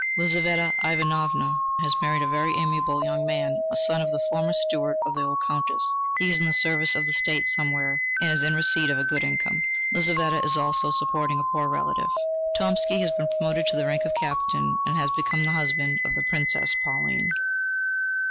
Lizaveta Ivanovna has married a very amiable young man, a son of the former steward of the old Countess. He is in the service of the State somewhere, and is in receipt of a good income. Lizaveta is also supporting a poor relative. Tomsky has been promoted to the rank of captain, and has become the husband of the Princess Pauline.